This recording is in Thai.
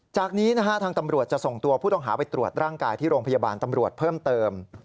จากนี้นะฮะทางตำรวจจะส่งตัวผู้ต้องหาไปตรวจร่างกายที่โรงพยาบาลตำรวจเพิ่มเติม